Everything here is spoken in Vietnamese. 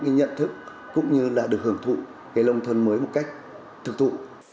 những cái nhận thức cũng như là được hưởng thụ cái nông thôn mới một cách thực tụ